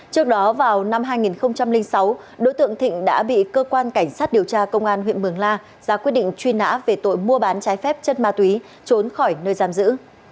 trước đó vào năm hai nghìn sáu đối tượng thịnh đã bị cơ quan cảnh sát điều tra công an huyện mường la ra quyết định truy nã về tội mua bán trái phép chất ma túy trốn khỏi nơi giam giữ